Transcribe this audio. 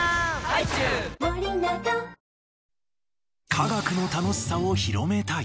科学の楽しさを広めたい。